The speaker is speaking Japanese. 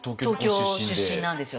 東京出身なんですよ